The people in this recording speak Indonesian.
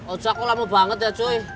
ojo aku lama banget ya cuy